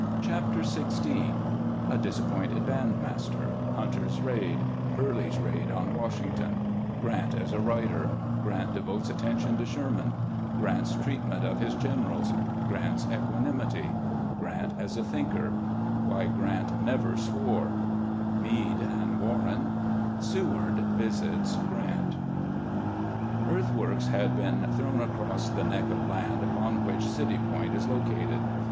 CHAPTER XVI A DISAPPOINTED BAND MASTEK — HUNTER'S EAID — EARLY'S EAID ON WASHINGTON — GRANT AS A WRITER — GRANT DEVOTES ATTENTION TO SHERMAN — GRANT'S TREAT MENT OF HIS GENERALS — GRANT'S EQUANIMITY — GRANT AS A THINKER — WHY GRANT NEVER SWORE — MEADE AND WARREN — SEWARD VISITS GRANT EARTHWORKS had been thrown across the neck of land upon which City Point is located.